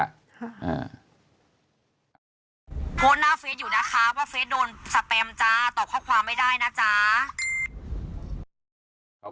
โพสต์หน้าเฟสอยู่นะคะว่าเฟสโดนสแปมจ้าตอบข้อความไม่ได้นะจ๊ะ